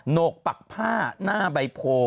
โหนกปักผ้าหน้าใบโพ